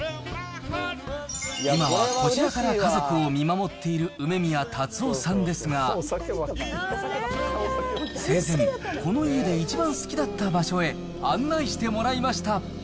今はこちらから家族を見守っている梅宮辰夫さんですが、生前、この家で一番好きだった場所へ案内してもらいました。